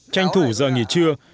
tranh thủ giờ nghỉ trưa